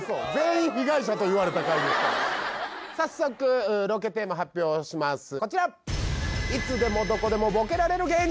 早速ロケテーマ発表しますこちら！